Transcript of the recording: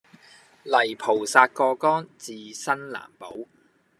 泥菩薩過江自身難保